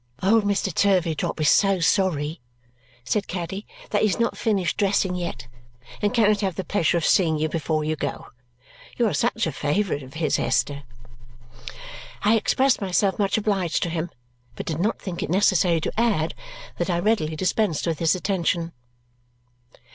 "Old Mr. Turveydrop is so sorry," said Caddy, "that he has not finished dressing yet and cannot have the pleasure of seeing you before you go. You are such a favourite of his, Esther." I expressed myself much obliged to him, but did not think it necessary to add that I readily dispensed with this attention.